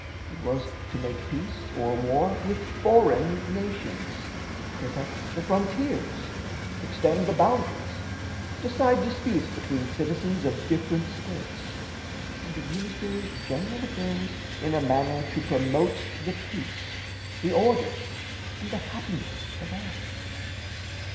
It was to make peace or war with foreign nations, protect the frontiers, extend the boundaries, decide disputes between citizens of different States, and administer general affairs in a manner to promote the peace, the order, and the happiness of all.